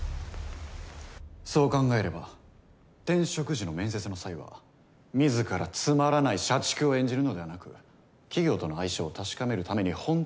そう考えれば転職時の面接の際は自らつまらない社畜を演じるのではなく企業との相性を確かめるために本当の自分。